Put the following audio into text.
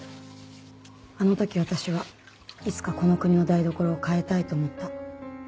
あの時私はいつかこの国の台所を変えたいと思った。